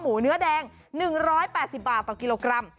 เนื้อแดง๑๘๐บาทต่อกิโลกรัม